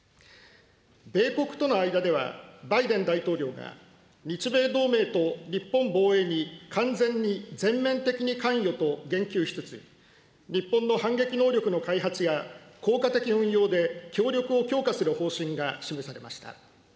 米国との間では、バイデン大統領が、日米同盟と日本防衛に完全に全面的に関与と言及しつつ、日本の反撃能力の開発や、効果的運用で、協力を強化する方針が示されました。